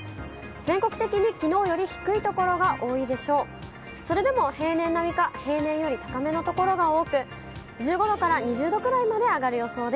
全国的にきのうより低い所が多いでしょう。